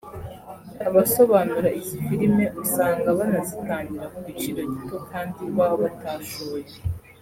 Abasobanura izi filime usanga banazitangira ku giciro gito kandi baba batashoye